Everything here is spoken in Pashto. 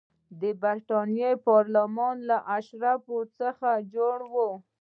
د برېټانیا پارلمان له اشرافو څخه جوړ و.